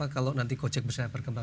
kalau nanti gojek misalnya berkembang